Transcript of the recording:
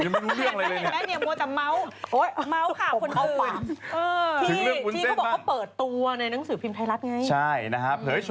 เอาไปข่าวพี่วุฒร์เร็วไปข่าวพี่วุฒร์